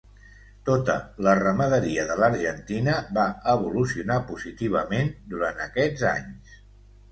Tota la ramaderia de l'Argentina, va evolucionar positivament durant aquests anys.